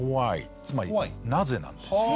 つまり「なぜ」なんですよ。